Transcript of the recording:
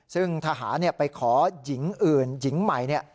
ซึ่งทหารไปขอหญิงอื่นหญิงใหม่เนี่ย